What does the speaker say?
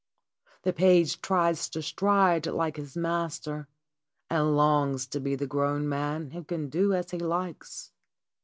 The page tries to stride like his master, and longs to be the grown man who can do as he likes.